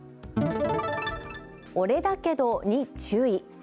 俺だけどに注意。